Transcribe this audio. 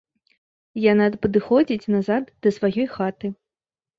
Яна падыходзіць назад да сваёй хаты.